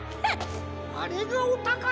あれがおたからか。